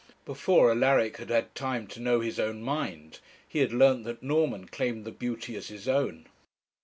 Before Alaric had had time to know his own mind, he had learnt that Norman claimed the beauty as his own.